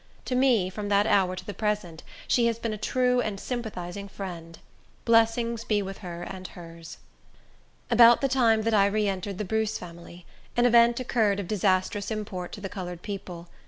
To me, from that hour to the present, she has been a true and sympathizing friend. Blessings be with her and hers! About the time that I reentered the Bruce family, an event occurred of disastrous import to the colored people.